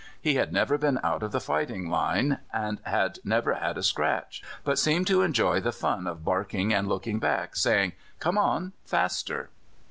He had never been out of the fighting line, and had never had a scratch, but seemed to enjoy the fun of barking and looking back, saying, "Come on faster!"